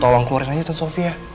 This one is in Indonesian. tolong keluarin aja ke sofia